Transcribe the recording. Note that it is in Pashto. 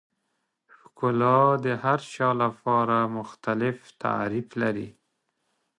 ښکلا د هر چا لپاره مختلف تعریف لري.